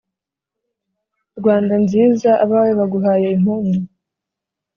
rwanda nziza abawe baguhaye impundu.